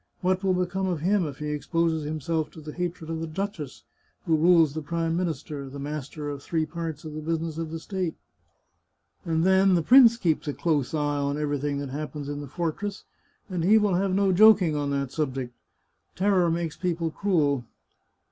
What will become of him if he exposes himself to the hatred of the duchess, who rules the Prime Minister, the master of three parts of the business of the state? And then, the prince keeps a close eye on everything that happens in the fortress, 285 The Chartreuse of Parma and he will have no joking on that subject. Terror makes people cruel.